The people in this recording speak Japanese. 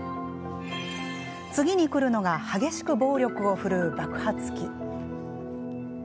次にくるのが激しく暴力を振るう爆発期。